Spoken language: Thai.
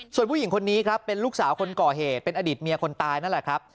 ส่วนผู้หญิงคนนี้ครับเป็นลูกสาวคนก่อเหตุเป็นอดีตเมียคนตายนั่นแหละครับ